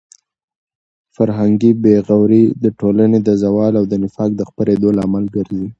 فرهنګي بې غوري د ټولنې د زوال او د نفاق د خپرېدو لامل ګرځي.